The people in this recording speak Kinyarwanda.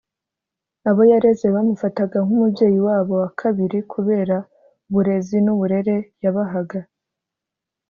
abo yareze bamufataga nk’umubyeyi wabo wa kabiri kubera uburezi n’uburere yabahaga